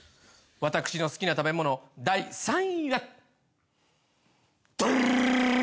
私の好きな食べ物第３位は。